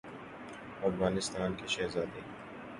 افغانستان کےشہزاد ے